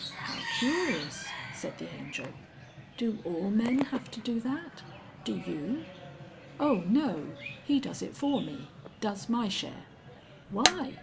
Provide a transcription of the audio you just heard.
"How curious!" said the Angel. "Do all men have to do that? Do you?" "Oh, no. He does it for me; does my share." "Why?"